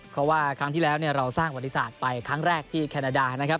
เพราะว่าครั้งที่แล้วเนี่ยเราสร้างบริษัทไปครั้งแรกที่แคนาดานะครับ